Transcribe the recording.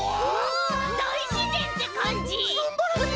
だいしぜんってかんじ！